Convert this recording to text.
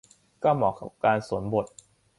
ก็เหมาะกับการสวมบท